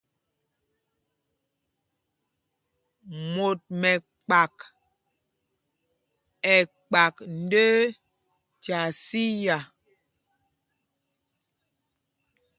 Mot mɛkpak ɛ́ kpak ndə́ə́ tyaa siá.